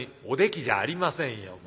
「おできじゃありませんよ